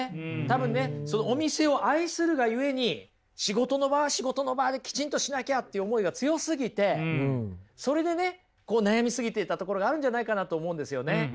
多分ねそのお店を愛するがゆえに仕事の場は仕事の場できちんとしなきゃって思いが強すぎてそれでね悩みすぎていたところがあるんじゃないかなと思うんですよね。